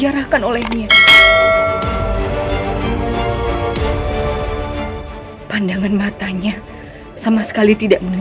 jangan lagi membuat onar di sini